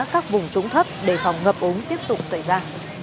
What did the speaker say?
các vùng trũng thấp đề phòng ngập ống tiếp tục xảy ra